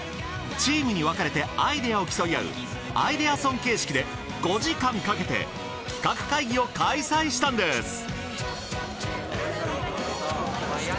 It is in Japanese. チームに分かれてアイデアを競い合うアイデアソン形式で５時間かけて企画会議を開催したんです！